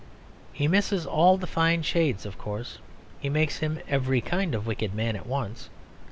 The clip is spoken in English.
He misses all the fine shades, of course; he makes him every kind of wicked man at once.